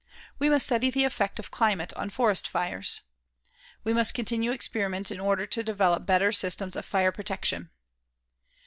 We must study the effect of climate on forest fires. We must continue experiments in order to develop better systems of fire protection.